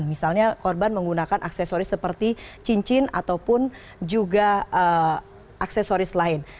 misalnya korban menggunakan aksesoris seperti cincin ataupun juga aksesoris lain